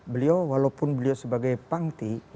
beliau walaupun beliau sebagai pangti